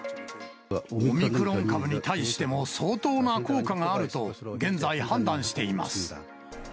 オミクロン株に対しても相当な効果があると、現在、判断しています。